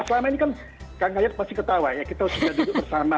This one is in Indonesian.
selama ini kan kang kayat pasti ketawa ya kita sudah duduk bersama